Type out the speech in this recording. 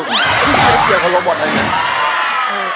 คุณต้องไปเกาะเรียง